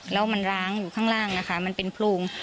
แล้วมันร้างอยู่ข้างล่างนะคะมันเป็นโพรง